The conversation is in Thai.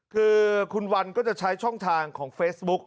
คือคุณวันก็จะใช้ช่องทางของเฟซบุ๊ก